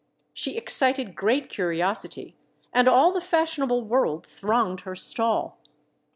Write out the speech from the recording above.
She excited great curiosity, and all the fashionable world thronged her stall.